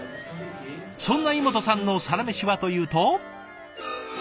そんな井本さんのサラメシはというと。